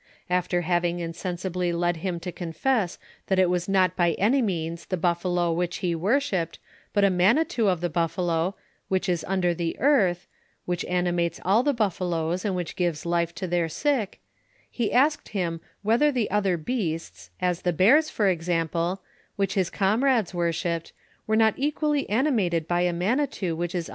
After having insensibly led him to confess that it was not by any means the buf falo which he worshipped, but a manitou of the buffalo, which is under the eartli — which animates all the buffaloes, and which gives life to their sick — he asked him whether the other beasts, as the bears^ for example, which his comrad<fs worshipped, were not equally animated by a manitou which is under the earth.